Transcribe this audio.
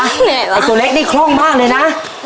ไอ้ตัวเล็กนี่คล่องมากเลยนะ